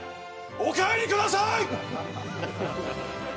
お帰りください！